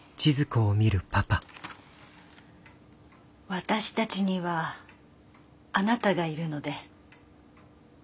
私たちにはあなたがいるので。